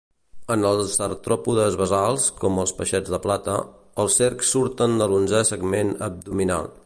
En els artròpodes basals, com els peixets de plata, els cercs surten de l'onzè segment abdominal.